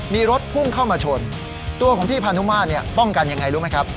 มีรถพุ่งเข้ามาชนตัวของพี่พานุมาตรเนี่ยป้องกันยังไงรู้ไหมครับ